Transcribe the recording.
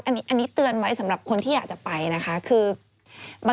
อันนี้เตือนไว้สำหรับคนที่อยากจะไปนะคะคือบาง